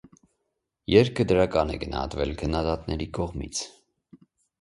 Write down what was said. Երգը դրական է գնահատվել քննադատների կողմից։